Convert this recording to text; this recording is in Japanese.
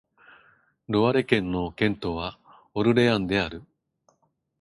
ロワレ県の県都はオルレアンである